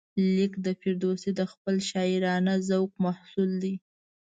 لیک د فردوسي د خپل شاعرانه ذوق محصول دی.